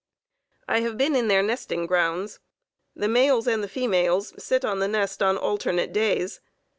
I have been in their nesting grounds. The males and the females sit on the nest on alternate days.